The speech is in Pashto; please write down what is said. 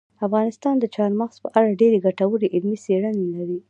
افغانستان د چار مغز په اړه ډېرې ګټورې علمي څېړنې لري.